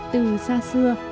từ xa xưa